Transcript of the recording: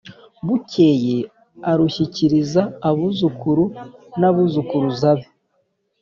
bukeye arushyikiriza abuzukuru n'abuzukuruza be